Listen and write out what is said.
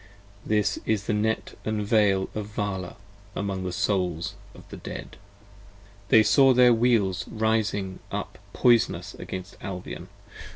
81 This is the Net & Veil of Vala, among the Souls of the Dead. p. 43 THEY saw their Wheels rising up poisonous against Albion.